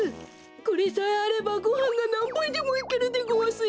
これさえあればごはんがなんばいでもいけるでごわすよ。